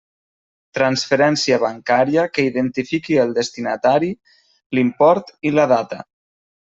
Transferència bancària que identifiqui el destinatari, l'import i la data.